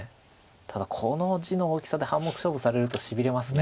ただこの地の大きさで半目勝負されるとしびれます。